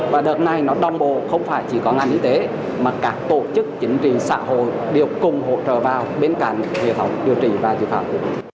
và đợt này nó đong bộ không chỉ có ngành y tế mà các tổ chức chính trị xã hội đều cùng hỗ trợ vào bên cạnh hiệu thống điều trị và dự phạm